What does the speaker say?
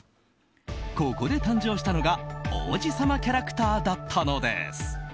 ここで誕生したのが王子様キャラクターだったのです。